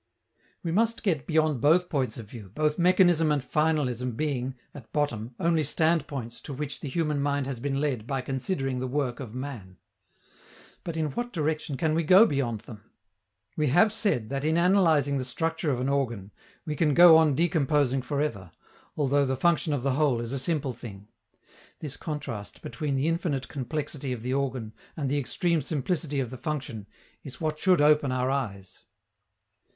_ We must get beyond both points of view, both mechanism and finalism being, at bottom, only standpoints to which the human mind has been led by considering the work of man. But in what direction can we go beyond them? We have said that in analyzing the structure of an organ, we can go on decomposing for ever, although the function of the whole is a simple thing. This contrast between the infinite complexity of the organ and the extreme simplicity of the function is what should open our eyes.